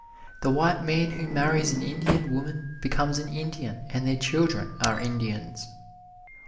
The white man who marries an Indian woman becomes an Indian and their children are Indians.